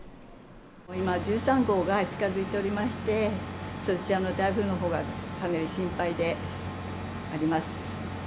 今、１３号が近づいておりまして、台風のほうがかなり心配であります。